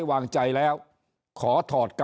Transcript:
ถ้าท่านผู้ชมติดตามข่าวสาร